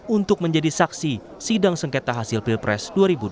untuk menjadi saksi sidang sengketa hasil pilpres dua ribu dua puluh